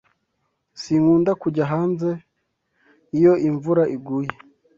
Sinkunda kujya hanze iyo imvura iguye.